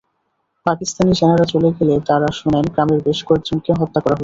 পাকিস্তানি সেনারা চলে গেলে তাঁরা শোনেন, গ্রামের বেশ কয়েকজনকে হত্যা করা হয়েছে।